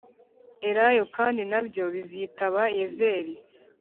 Elayo kandi na byo bizitaba yezer